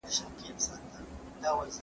ابن خلدون تر هګل ډېر پخوا اوسېده.